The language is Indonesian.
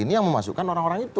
ini yang memasukkan orang orang itu